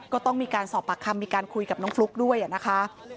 ก็ต้องมีการสอบปากคำมีการคุยกับน้องฟลุ๊กด้วยนะคะ